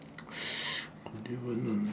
これは何だ？